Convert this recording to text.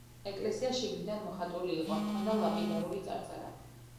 ეკლესია შიგნიდან მოხატული იყო, ჰქონდა ლაპიდარული წარწერა.